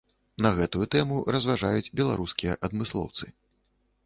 На гэтую тэму разважаюць беларускія адмыслоўцы.